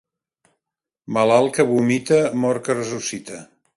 Malalt que vomita, mort que ressuscita.